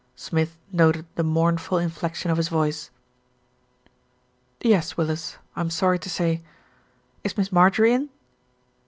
Smith noted the mournful inflection of his voice. "Yes, Willis, I'm sorry to say. Is Miss Mar jorie in?"